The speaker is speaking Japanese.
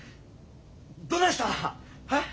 どないした？はっ？